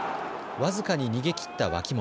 僅かに逃げ切った脇本。